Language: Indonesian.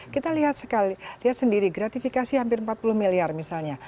kita lihat sendiri gratifikasi hampir empat puluh miliar misalnya